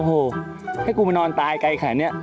โอ้โหให้กูมานอนตายไกลขนาดนี้